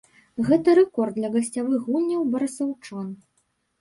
Гэта рэкорд для гасцявых гульняў барысаўчан.